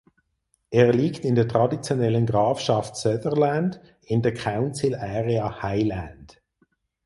Er liegt in der traditionellen Grafschaft Sutherland in der Council Area Highland.